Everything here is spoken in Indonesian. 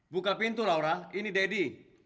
buka pintu laura ini deddy